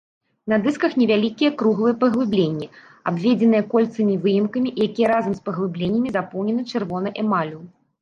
На дысках невялікія круглыя паглыбленні, абведзеныя кольцамі-выемкамі, якія разам з паглыбленнямі запоўнены чырвонай эмаллю.